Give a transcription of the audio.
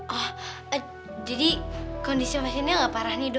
oh eee jadi kondisi masinnya gak parah nih dok